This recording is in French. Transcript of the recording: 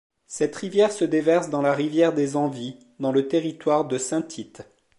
Cette rivière se déverse dans la rivière des Envies, dans le territoire de Saint-Tite.